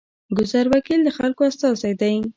ګذر وکیل د خلکو استازی دی